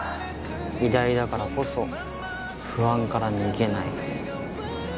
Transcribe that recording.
偉大だからこそ不安から逃げない。